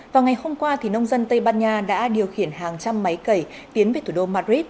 vào ngày hôm qua nông dân tây ban nha đã điều khiển hàng trăm máy cẩy tiến về thủ đô madrid